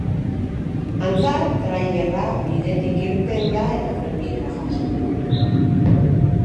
Antza, trailerra bidetik irten da eta trenbidera jausi da.